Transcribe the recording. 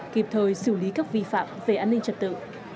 kịp thời xử lý các vi phạm về an ninh trật tự